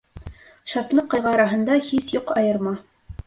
Шатлыҡ-ҡайғы араһында һис юҡ айырма.